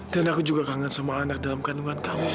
dan aku juga kangen sama anak dalam kandungan kamu